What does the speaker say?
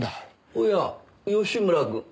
おや吉村くん。